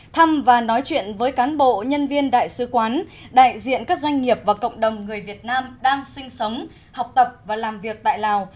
thăm và nói chuyện với cán bộ nhân viên đại sứ quán đại diện các doanh nghiệp và cộng đồng người việt nam đang sinh sống học tập và làm việc tại lào